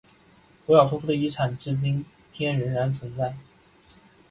维尔托夫的遗产至今天仍然存在。